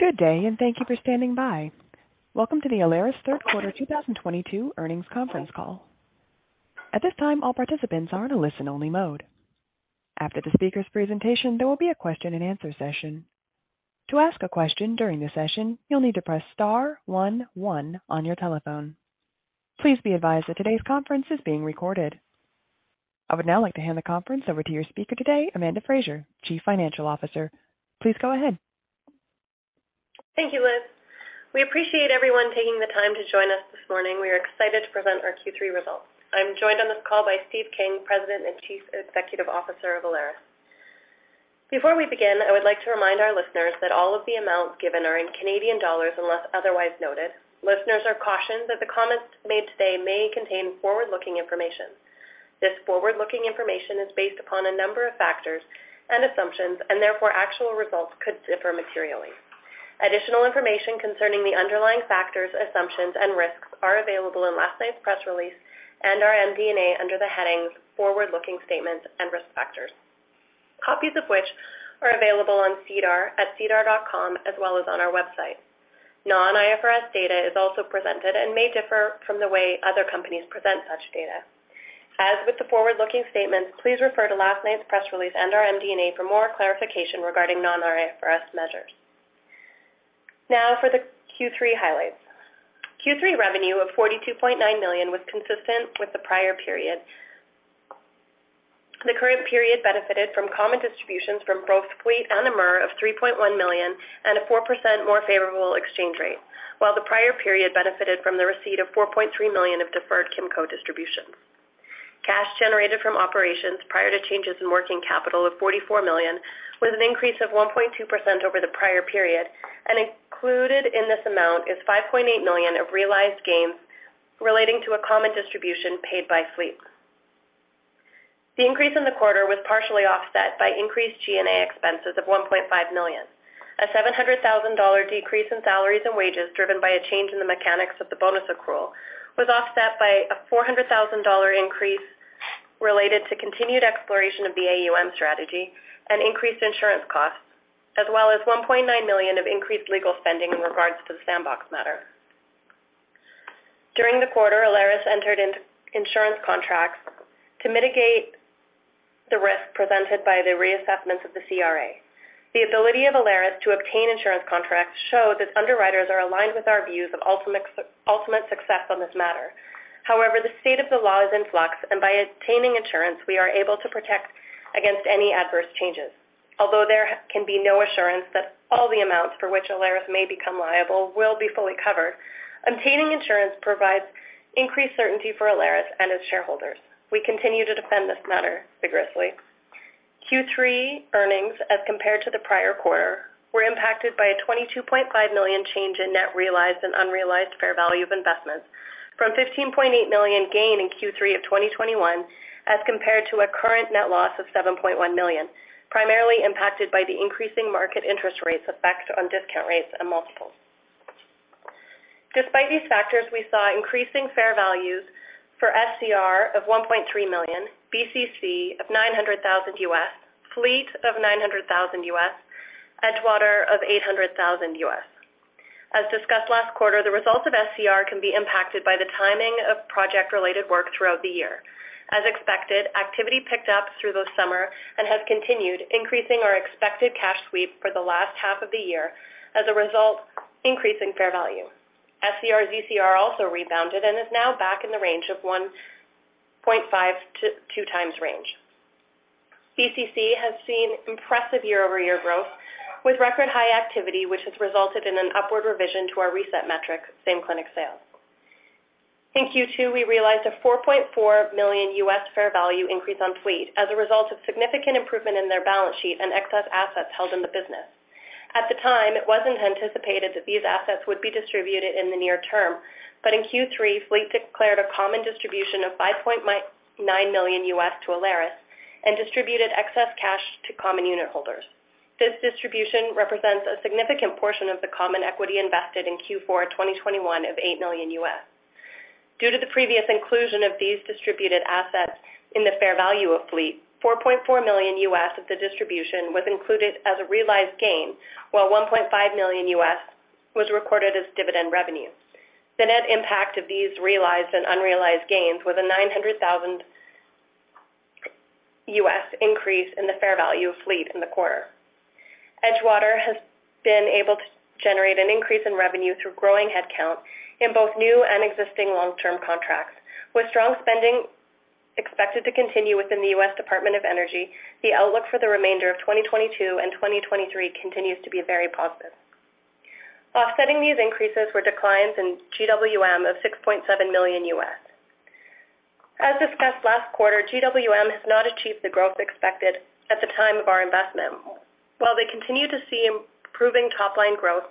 Good day, and thank you for standing by. Welcome to the Alaris third quarter 2022 earnings conference call. At this time, all participants are in a listen-only mode. After the speaker's presentation, there will be a question-and-answer session. To ask a question during the session, you'll need to press star one one on your telephone. Please be advised that today's conference is being recorded. I would now like to hand the conference over to your speaker today, Amanda Frazer, Chief Financial Officer. Please go ahead. Thank you, Liz. We appreciate everyone taking the time to join us this morning. We are excited to present our Q3 results. I'm joined on this call by Steve King, President and Chief Executive Officer of Alaris. Before we begin, I would like to remind our listeners that all of the amounts given are in Canadian dollars unless otherwise noted. Listeners are cautioned that the comments made today may contain forward-looking information. This forward-looking information is based upon a number of factors and assumptions, and therefore, actual results could differ materially. Additional information concerning the underlying factors, assumptions, and risks are available in last night's press release and our MD&A under the headings Forward-Looking Statements and Risk Factors, copies of which are available on SEDAR at sedar.com as well as on our website. Non-IFRS data is also presented and may differ from the way other companies present such data. As with the forward-looking statements, please refer to last night's press release and our MD&A for more clarification regarding non-IFRS measures. Now for the Q3 highlights. Q3 revenue of 42.9 million was consistent with the prior period. The current period benefited from common distributions from both Fleet and Amur of 3.1 million and a 4% more favorable exchange rate, while the prior period benefited from the receipt of 4.3 million of deferred Kimco distribution. Cash generated from operations prior to changes in working capital of 44 million was an increase of 1.2% over the prior period, and included in this amount is 5.8 million of realized gains relating to a common distribution paid by Fleet. The increase in the quarter was partially offset by increased G&A expenses of 1.5 million. A 700 thousand dollar decrease in salaries and wages, driven by a change in the mechanics of the bonus accrual, was offset by a 400 thousand dollar increase related to continued exploration of the AUM strategy and increased insurance costs, as well as 1.9 million of increased legal spending in regards to the Sandbox matter. During the quarter, Alaris entered into insurance contracts to mitigate the risk presented by the reassessments of the CRA. The ability of Alaris to obtain insurance contracts show that underwriters are aligned with our views of ultimate success on this matter. However, the state of the law is in flux, and by obtaining insurance, we are able to protect against any adverse changes. Although there can be no assurance that all the amounts for which Alaris may become liable will be fully covered, obtaining insurance provides increased certainty for Alaris and its shareholders. We continue to defend this matter vigorously. Q3 earnings as compared to the prior quarter were impacted by a 22.5 million change in net realized and unrealized fair value of investments from 15.8 million gain in Q3 of 2021 as compared to a current net loss of 7.1 million, primarily impacted by the increasing market interest rates effect on discount rates and multiples. Despite these factors, we saw increasing fair values for SCR of 1.3 million, BCC of $900,000, Fleet of $900,000, Edgewater of $800,000. As discussed last quarter, the results of SCR can be impacted by the timing of project-related work throughout the year. As expected, activity picked up through the summer and has continued, increasing our expected cash sweep for the last half of the year as a result, increasing fair value. SCR, ECR also rebounded and is now back in the range of 1.5-2x range. BCC has seen impressive year-over-year growth with record high activity, which has resulted in an upward revision to our reset metric, same-clinic sales. In Q2, we realized a $4.4 million fair value increase on Fleet as a result of significant improvement in their balance sheet and excess assets held in the business. At the time, it wasn't anticipated that these assets would be distributed in the near term. In Q3, Fleet declared a common distribution of $5.9 million to Alaris and distributed excess cash to common unit holders. This distribution represents a significant portion of the common equity invested in Q4 2021 of $8 million. Due to the previous inclusion of these distributed assets in the fair value of Fleet, $4.4 million of the distribution was included as a realized gain, while $1.5 million was recorded as dividend revenue. The net impact of these realized and unrealized gains was a $900,000 increase in the fair value of Fleet in the quarter. Edgewater has been able to generate an increase in revenue through growing headcount in both new and existing long-term contracts. With strong spending expected to continue within the U.S. Department of Energy, the outlook for the remainder of 2022 and 2023 continues to be very positive. Offsetting these increases were declines in GWM of $6.7 million. As discussed last quarter, GWM has not achieved the growth expected at the time of our investment. While they continue to see improving top-line growth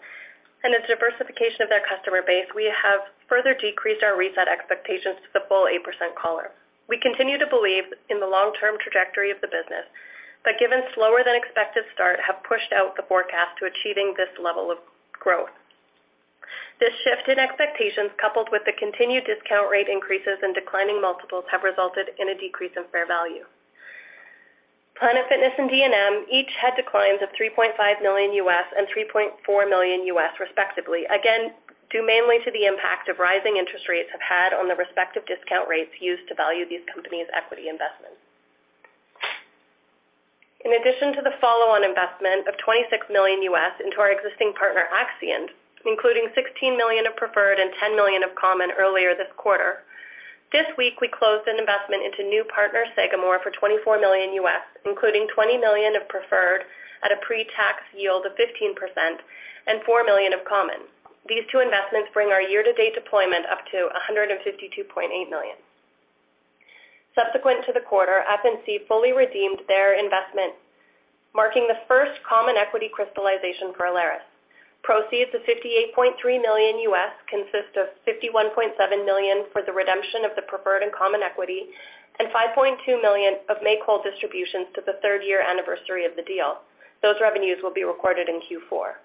and a diversification of their customer base, we have further decreased our reset expectations to the full 8% collar. We continue to believe in the long-term trajectory of the business, but given slower than expected start, have pushed out the forecast to achieving this level of growth. This shift in expectations, coupled with the continued discount rate increases and declining multiples, have resulted in a decrease in fair value. Planet Fitness and D&M each had declines of $3.5 million and $3.4 million respectively. Again, due mainly to the impact of rising interest rates have had on the respective discount rates used to value these companies' equity investments. In addition to the follow-on investment of $26 million into our existing partner, Acccent, including $16 million of preferred and $10 million of common earlier this quarter. This week, we closed an investment into new partner, Sagamore, for $24 million, including $20 million of preferred at a pre-tax yield of 15% and $4 million of common. These two investments bring our year-to-date deployment up to 152.8 million. Subsequent to the quarter, FNC fully redeemed their investment, marking the first common equity crystallization for Alaris. Proceeds of $58.3 million consist of $51.7 million for the redemption of the preferred and common equity, and $5.2 million of make-whole distributions to the third year anniversary of the deal. Those revenues will be recorded in Q4.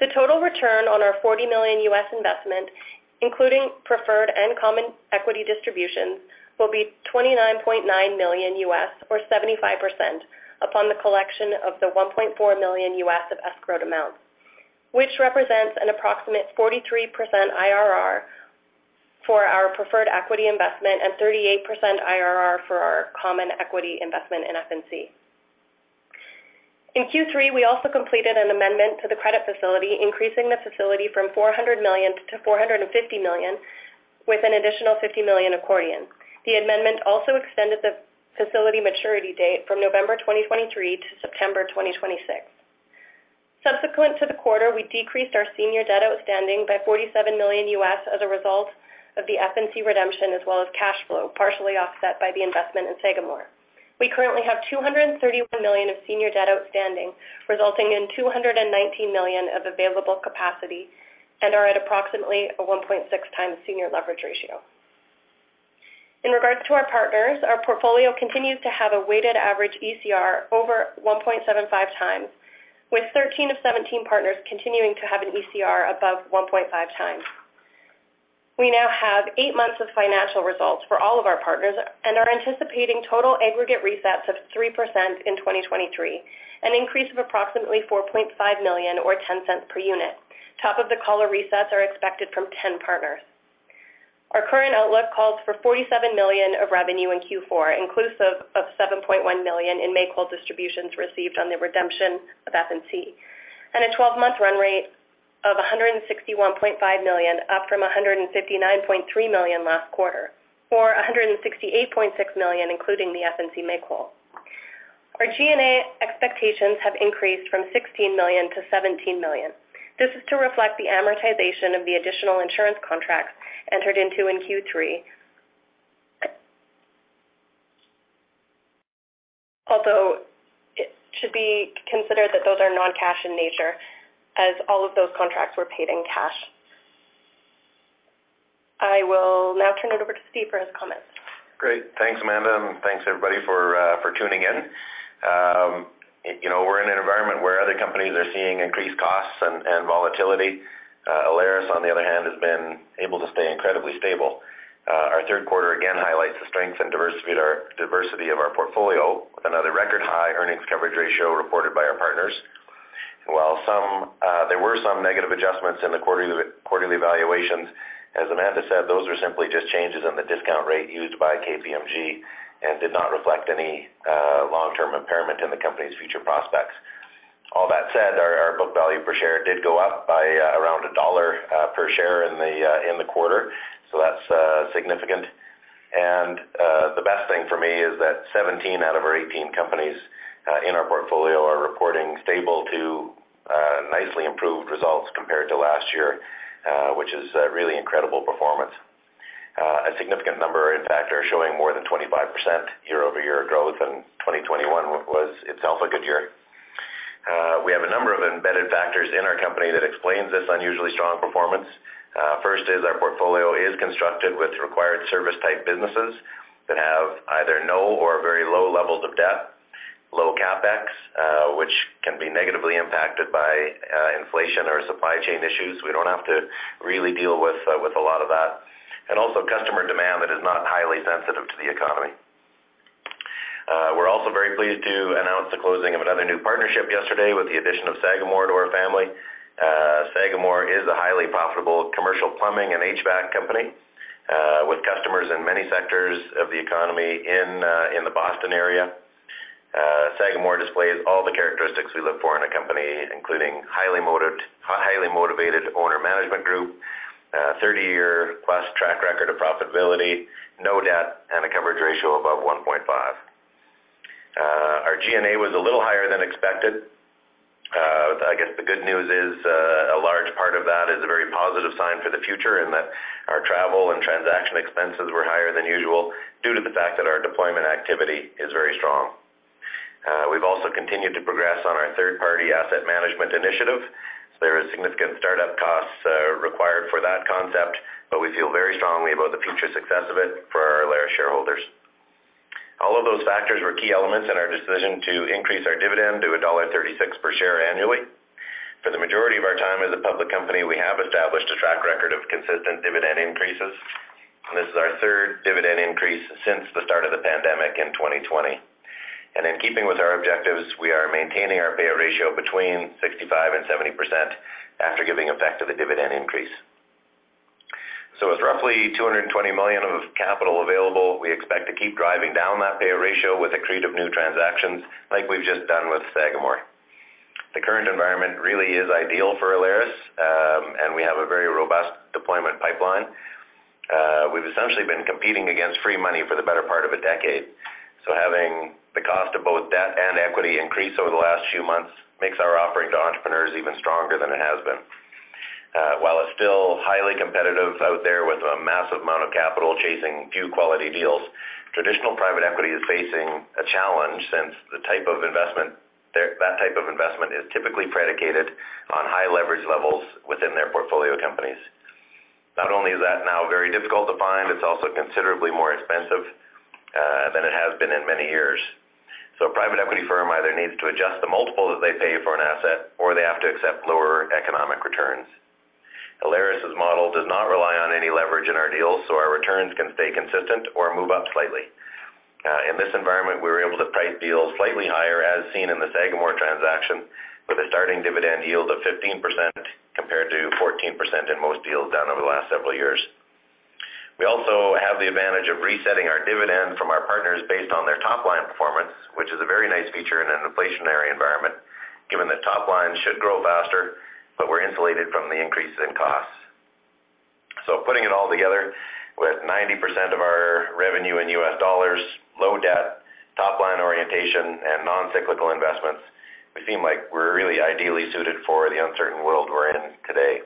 The total return on our $40 million investment, including preferred and common equity distributions, will be $29.9 million or 75% upon the collection of the $1.4 million of escrowed amounts, which represents an approximate 43% IRR for our preferred equity investment and 38% IRR for our common equity investment in FNC. In Q3, we also completed an amendment to the credit facility, increasing the facility from 400 million to 450 million with an additional 50 million accordion. The amendment also extended the facility maturity date from November 2023 to September 2026. Subsequent to the quarter, we decreased our senior debt outstanding by $47 million as a result of the FNC redemption, as well as cash flow, partially offset by the investment in Sagamore. We currently have 231 million of senior debt outstanding, resulting in 219 million of available capacity and are at approximately a 1.6x senior leverage ratio. In regards to our partners, our portfolio continues to have a weighted average ECR over 1.75x, with 13 of 17 partners continuing to have an ECR above 1.5x. We now have eight months of financial results for all of our partners and are anticipating total aggregate resets of 3% in 2023, an increase of approximately 4.5 million or 0.10 per unit. Top of the calendar resets are expected from 10 partners. Our current outlook calls for 47 million of revenue in Q4, inclusive of 7.1 million in make-whole distributions received on the redemption of FNC, and a 12-month run rate of 161.5 million, up from 159.3 million last quarter, or 168.6 million, including the FNC make-whole. Our G&A expectations have increased from 16 million to 17 million. This is to reflect the amortization of the additional insurance contracts entered into in Q3. Although it should be considered that those are non-cash in nature as all of those contracts were paid in cash. I will now turn it over to Steve for his comments. Great. Thanks, Amanda, and thanks everybody for tuning in. You know, we're in an environment where other companies are seeing increased costs and volatility. Alaris, on the other hand, has been able to stay incredibly stable. Our third quarter, again, highlights the strength and diversity of our portfolio with another record high earnings coverage ratio reported by our partners. There were some negative adjustments in the quarterly evaluations, as Amanda said, those are simply just changes in the discount rate used by KPMG and did not reflect any long-term impairment in the company's future prospects. All that said, our book value per share did go up by around CAD 1 per share in the quarter, so that's significant. The best thing for me is that 17 out of our 18 companies in our portfolio are reporting stable to nicely improved results compared to last year, which is a really incredible performance. A significant number in fact are showing more than 25% year-over-year growth, and 2021 was itself a good year. We have a number of embedded factors in our company that explains this unusually strong performance. First is our portfolio is constructed with required service type businesses that have either no or very low levels of debt, low CapEx, which can be negatively impacted by inflation or supply chain issues. We don't have to really deal with a lot of that, and also customer demand that is not highly sensitive to the economy. We're also very pleased to announce the closing of another new partnership yesterday with the addition of Sagamore to our family. Sagamore is a highly profitable commercial plumbing and HVAC company, with customers in many sectors of the economy in the Boston area. Sagamore displays all the characteristics we look for in a company, including highly motivated owner management group, 30-year plus track record of profitability, no debt, and a coverage ratio above 1.5. Our G&A was a little higher than expected. I guess the good news is, a large part of that is a very positive sign for the future, and that our travel and transaction expenses were higher than usual due to the fact that our deployment activity is very strong. We've also continued to progress on our third-party asset management initiative. There are significant startup costs required for that concept, but we feel very strongly about the future success of it for our Alaris shareholders. All of those factors were key elements in our decision to increase our dividend to dollar 1.36 per share annually. For the majority of our time as a public company, we have established a track record of consistent dividend increases. This is our third dividend increase since the start of the pandemic in 2020. In keeping with our objectives, we are maintaining our payout ratio between 65% and 70% after giving effect to the dividend increase. With roughly 220 million of capital available, we expect to keep driving down that payout ratio with accretive new transactions like we've just done with Sagamore. The current environment really is ideal for Alaris, and we have a very robust deployment pipeline. We've essentially been competing against free money for the better part of a decade. Having the cost of both debt and equity increase over the last few months makes our offering to entrepreneurs even stronger than it has been. While it's still highly competitive out there with a massive amount of capital chasing few quality deals, traditional private equity is facing a challenge since that type of investment is typically predicated on high leverage levels within their portfolio companies. Not only is that now very difficult to find, it's also considerably more expensive than it has been in many years. A private equity firm either needs to adjust the multiple that they pay for an asset, or they have to accept lower economic returns. Alaris' model does not rely on any leverage in our deals, so our returns can stay consistent or move up slightly. In this environment, we're able to price deals slightly higher, as seen in the Sagamore transaction, with a starting dividend yield of 15% compared to 14% in most deals done over the last several years. We also have the advantage of resetting our dividend from our partners based on their top line performance, which is a very nice feature in an inflationary environment, given that top line should grow faster, but we're insulated from the increases in costs. Putting it all together, with 90% of our revenue in US dollars, low debt, top line orientation, and non-cyclical investments, we seem like we're really ideally suited for the uncertain world we're in today.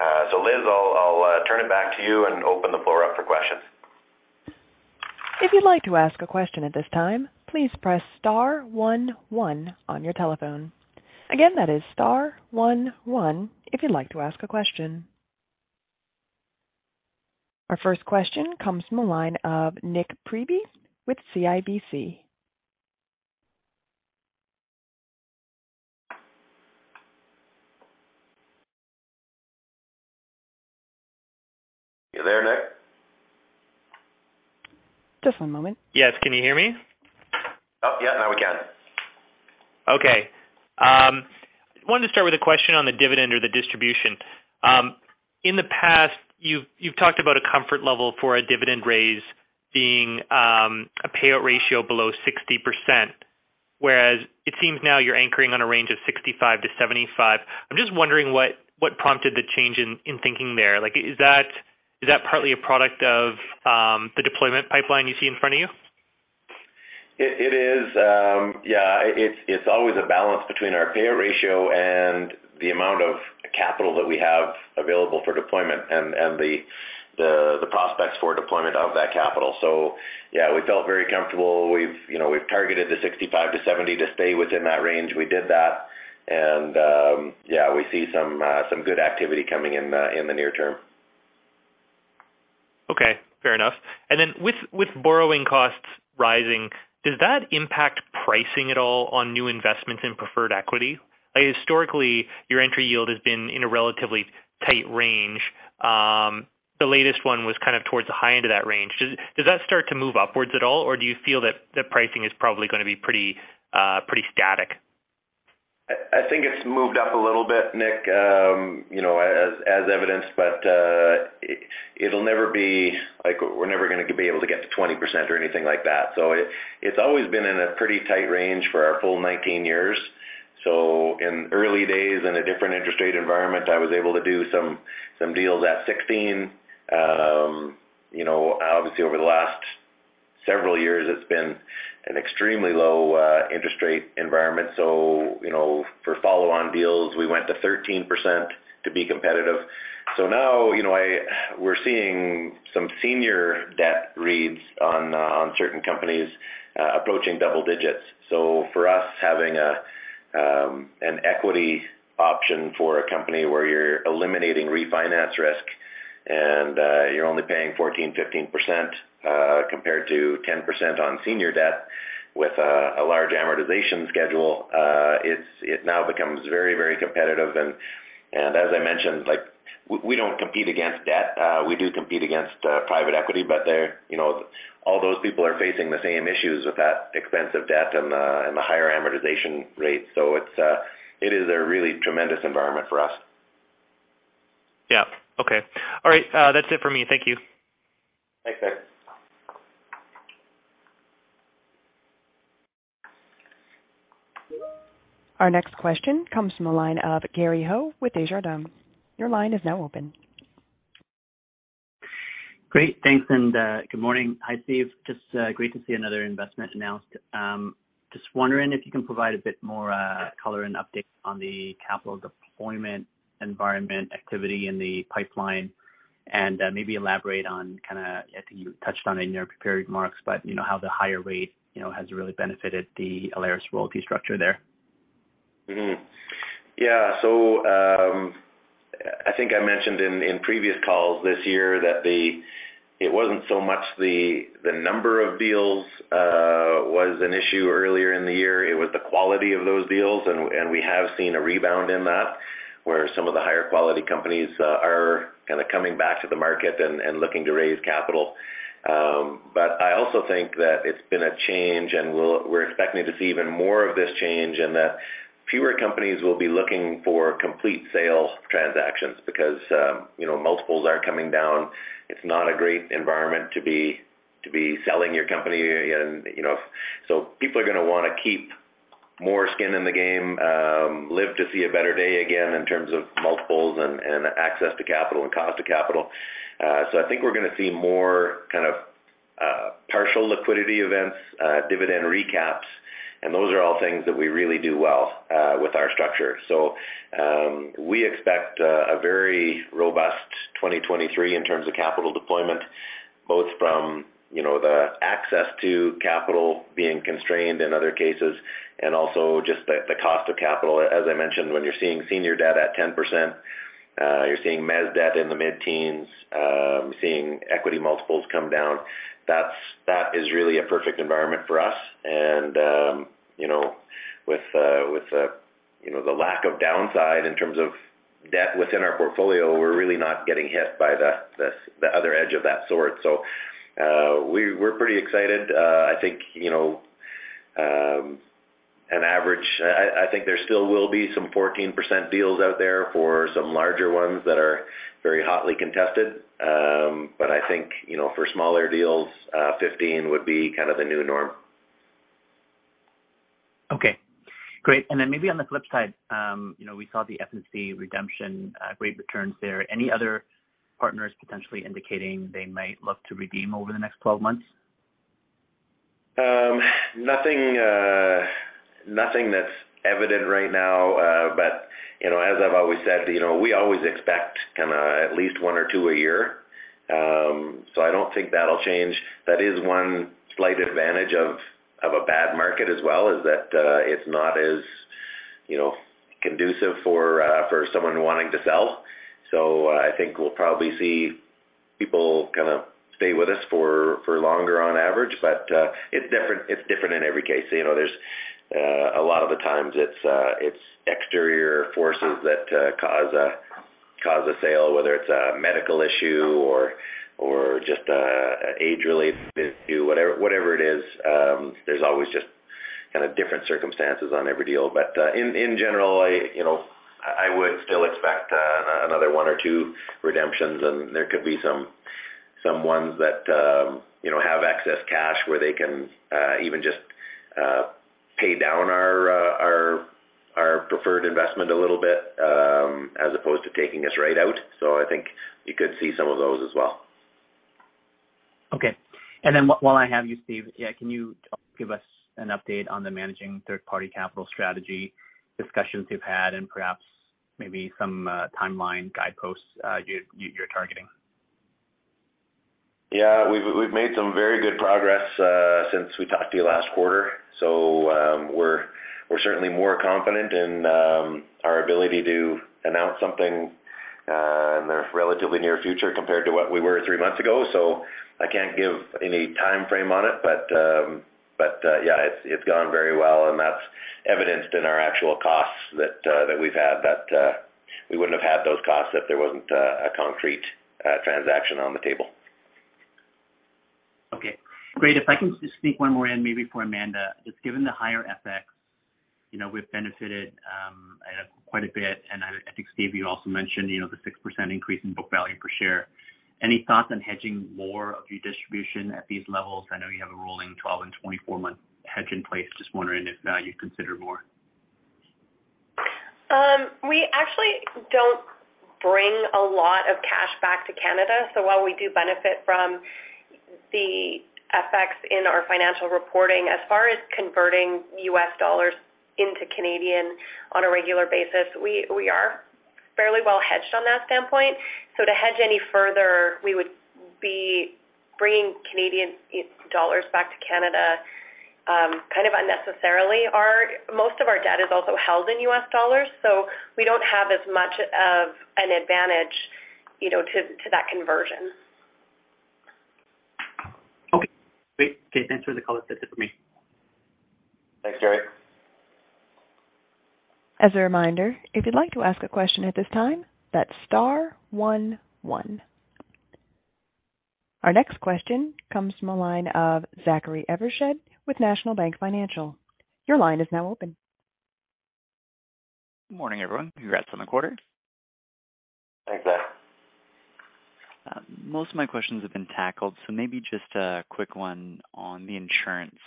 Liz, I'll turn it back to you and open the floor up for questions. If you'd like to ask a question at this time, please press star one one on your telephone. Again, that is star one one if you'd like to ask a question. Our first question comes from the line of Nik Priebe with CIBC. You there, Nik? Just one moment. Yes. Can you hear me? Oh, yeah. Now we can. Okay. Wanted to start with a question on the dividend or the distribution. In the past, you've talked about a comfort level for a dividend raise being a payout ratio below 60%, whereas it seems now you're anchoring on a range of 65%-75%. I'm just wondering what prompted the change in thinking there. Like, is that partly a product of the deployment pipeline you see in front of you? It is. Yeah, it's always a balance between our payout ratio and the amount of capital that we have available for deployment and the prospects for deployment of that capital. We felt very comfortable. You know, we've targeted the 65%-70% to stay within that range. We did that. Yeah, we see some good activity coming in in the near term. Okay. Fair enough. Then with borrowing costs rising, does that impact pricing at all on new investments in preferred equity? Historically, your entry yield has been in a relatively tight range. The latest one was kind of towards the high end of that range. Does that start to move upwards at all, or do you feel that the pricing is probably gonna be pretty static? I think it's moved up a little bit, Nik, you know, as evidenced, but it'll never be like we're never gonna be able to get to 20% or anything like that. It's always been in a pretty tight range for our full 19 years. In early days, in a different interest rate environment, I was able to do some deals at 16. You know, obviously, over the last several years, it's been an extremely low interest rate environment. You know, we're seeing some senior debt rates on certain companies approaching double digits. For us, having an equity option for a company where you're eliminating refinance risk and you're only paying 14%-15%, compared to 10% on senior debt with a large amortization schedule, it now becomes very, very competitive. As I mentioned, like we don't compete against debt. We do compete against private equity, but they're, you know, all those people are facing the same issues with that expensive debt and the higher amortization rates. It is a really tremendous environment for us. Yeah. Okay. All right. That's it for me. Thank you. Thanks, Nik. Our next question comes from the line of Gary Ho with Desjardins. Your line is now open. Great. Thanks and good morning. Hi, Steve. Just great to see another investment announced. Just wondering if you can provide a bit more color and update on the capital deployment environment activity in the pipeline and maybe elaborate on kinda I think you touched on it in your prepared remarks, but you know, how the higher rate you know has really benefited the Alaris royalty structure there. Yeah. I think I mentioned in previous calls this year that it wasn't so much the number of deals was an issue earlier in the year, it was the quality of those deals and we have seen a rebound in that, where some of the higher quality companies are kinda coming back to the market and looking to raise capital. I also think that it's been a change, and we're expecting to see even more of this change and that fewer companies will be looking for complete sale transactions because, you know, multiples are coming down. It's not a great environment to be selling your company, you know. People are gonna wanna keep more skin in the game, live to see a better day again in terms of multiples and access to capital and cost of capital. I think we're gonna see more kind of partial liquidity events, dividend recaps, and those are all things that we really do well with our structure. We expect a very robust 2023 in terms of capital deployment, both from, you know, the access to capital being constrained in other cases, and also just the cost of capital. As I mentioned, when you're seeing senior debt at 10%, you're seeing mezz debt in the mid-teens, seeing equity multiples come down, that is really a perfect environment for us. You know, with the lack of downside in terms of debt within our portfolio, we're really not getting hit by the other edge of that sword. We're pretty excited. I think, you know, I think there still will be some 14% deals out there for some larger ones that are very hotly contested. I think, you know, for smaller deals, 15 would be kind of the new norm. Okay, great. Maybe on the flip side, you know, we saw the FNC redemption, great returns there. Any other partners potentially indicating they might look to redeem over the next 12 months? Nothing that's evident right now. You know, as I've always said, you know, we always expect kinda at least one or two a year. I don't think that'll change. That is one slight advantage of a bad market as well, is that it's not as, you know, conducive for someone wanting to sell. I think we'll probably see people kinda stay with us for longer on average. It's different in every case. You know, there's a lot of the times it's external forces that cause a sale, whether it's a medical issue or just an age-related issue. Whatever it is, there's always just kinda different circumstances on every deal. In general, you know, I would still expect another one or two redemptions, and there could be some ones that you know have excess cash where they can even just pay down our preferred investment a little bit as opposed to taking us right out. I think you could see some of those as well. Okay. While I have you, Steve, yeah, can you give us an update on the managing third party capital strategy discussions you've had and perhaps maybe some timeline guideposts you're targeting? Yeah. We've made some very good progress since we talked to you last quarter. We're certainly more confident in our ability to announce something in the relatively near future compared to what we were three months ago. I can't give any timeframe on it, but yeah, it's gone very well, and that's evidenced in our actual costs that we've had that we wouldn't have had those costs if there wasn't a concrete transaction on the table. Okay, great. If I can just sneak one more in maybe for Amanda. Just given the higher FX, you know, we've benefited quite a bit, and I think, Steve, you also mentioned, you know, the 6% increase in book value per share. Any thoughts on hedging more of your distribution at these levels? I know you have a rolling 12- and 24-month hedge in place. Just wondering if you'd consider more. We actually don't bring a lot of cash back to Canada. While we do benefit from the effects in our financial reporting as far as converting US dollars into Canadian dollars on a regular basis, we are fairly well hedged on that standpoint. To hedge any further, we would be bringing Canadian dollars back to Canada, kind of unnecessarily. Most of our debt is also held in US dollars, so we don't have as much of an advantage, you know, to that conversion. Okay, great. Thanks for the color. That's it for me. Thanks, Gary. As a reminder, if you'd like to ask a question at this time, that's star one one. Our next question comes from the line of Zachary Evershed with National Bank Financial. Your line is now open. Morning, everyone. Congrats on the quarter. Thanks, Zach. Most of my questions have been tackled, so maybe just a quick one on the insurance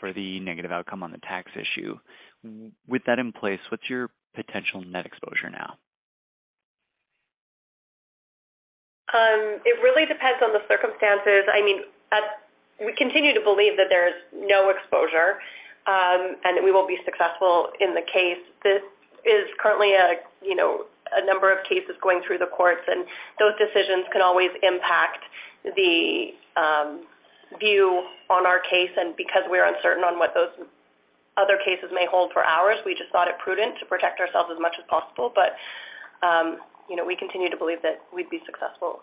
for the negative outcome on the tax issue. With that in place, what's your potential net exposure now? It really depends on the circumstances. I mean, we continue to believe that there's no exposure, and we will be successful in the case. This is currently, you know, a number of cases going through the courts, and those decisions can always impact the view on our case. Because we're uncertain on what those other cases may hold for ours, we just thought it prudent to protect ourselves as much as possible. You know, we continue to believe that we'd be successful.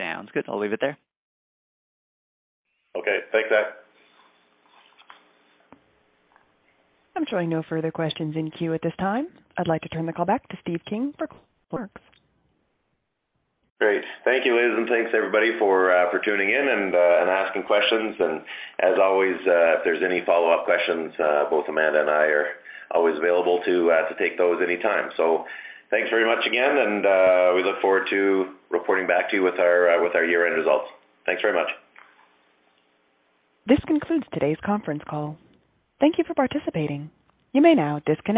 Sounds good. I'll leave it there. Okay. Thanks, Zach. I'm showing no further questions in queue at this time. I'd like to turn the call back to Steve King for closing remarks. Great. Thank you, ladies, and thanks, everybody, for tuning in and asking questions. As always, both Amanda and I are always available to take those anytime. Thanks very much again, and we look forward to reporting back to you with our year-end results. Thanks very much. This concludes today's conference call. Thank you for participating. You may now disconnect.